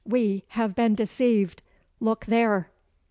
We have been deceived! Look there!"